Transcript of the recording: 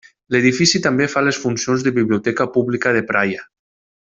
L'edifici també fa les funcions de biblioteca pública de Praia.